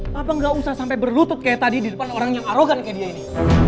kenapa nggak usah sampai berlutut kayak tadi di depan orang yang arogan kayak dia ini